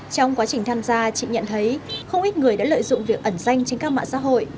trong quá trình tham gia chị nhận thấy không ít người đã lợi dụng việc ẩn danh trên các mạng xã hội